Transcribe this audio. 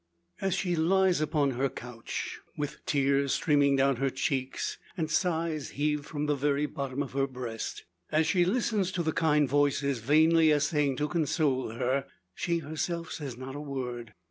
As she lies upon her couch, with tears streaming down her cheeks, and sighs heaved from the very bottom of her breast as she listens to the kind voices vainly essaying to console her she herself says not a word.